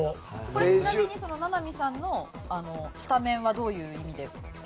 ちなみに名波さんのスタメンはどういう意味で？